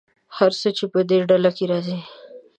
هر څه چې په دې ډله کې راځي.